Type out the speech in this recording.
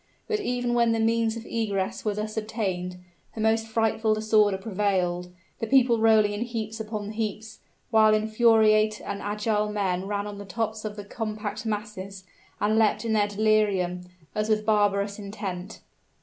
But even when the means of egress were thus obtained, the most frightful disorder prevailed, the people rolling in heaps upon heaps, while infuriate and agile men ran on the tops of the compact masses, and leapt in their delirium, as with barbarous intent.